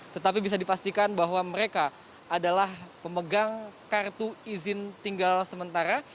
tetapi bisa dipastikan bahwa mereka adalah pemegang kartu izin tinggal sementara